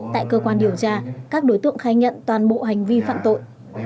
tại cơ quan điều tra các đối tượng khai nhận toàn bộ hành vi phạm tội